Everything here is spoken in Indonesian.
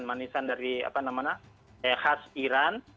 manisan dari khas iran